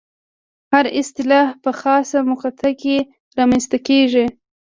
هره اصطلاح په خاصه مقطع کې رامنځته کېږي.